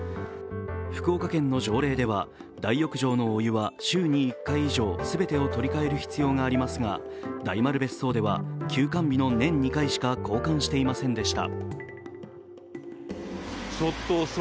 福岡県の条例では、大浴場のお湯は週に１回以上すべてを取りかえる必要がありますが大丸別荘では休館日の年２回しか交換していませんでした。